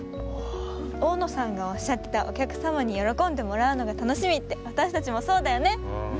大野さんがおっしゃってたおきゃくさまによろこんでもらうのがたのしみってわたしたちもそうだよね。